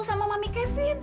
sama mami kevin